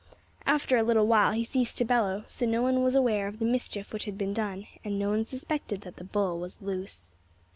After a little while he ceased to bellow, so no one was aware of the mischief which had been done, and no one suspected that the bull was loose.